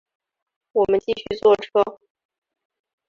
我们继续坐车